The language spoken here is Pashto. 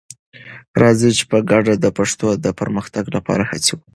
راځئ چې په ګډه د پښتو د پرمختګ لپاره هڅې وکړو.